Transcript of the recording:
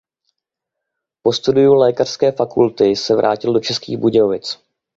Po studiu lékařské fakulty se vrátil do Českých Budějovic.